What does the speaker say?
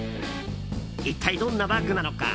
一体どんなバッグなのか。